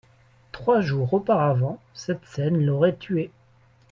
Trois jours auparavant, cette scène l'aurait tué.